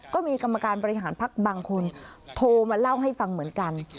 ก็มีกรรมการบริหารพักบางคนโทรมาเล่าให้ฟังเหมือนกัน